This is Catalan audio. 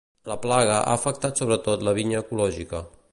La plaga ha afectat sobretot la vinya ecològica.